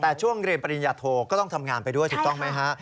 แต่ช่วงเรียนปริญญาโทก็ต้องทำงานไปด้วยถูกต้องไหมฮะ